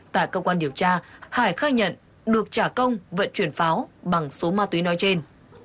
tại cơ quan điều tra hải khai nhận được trả công vận chuyển pháo bằng số ma túy nói trên